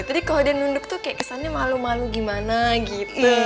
kalau dia nunduk tuh kayak kesannya malu malu gimana gitu